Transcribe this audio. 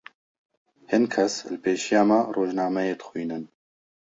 Hin kes li pêşiya me rojnameyê dixwînin.